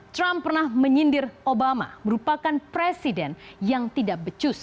trump pernah menyindir obama merupakan presiden yang tidak becus